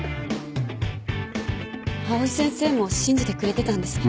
藍井先生も信じてくれてたんですね。